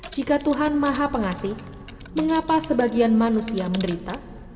jika tuhan maha pengasih mengapa sebagian manusia menderita